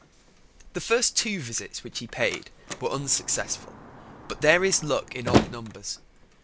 The first two visits which he paid were unsuccessful: but there is luck in odd numbers.